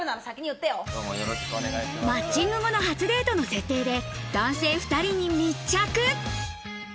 マッチング後の初デートの設定で男性２人に密着。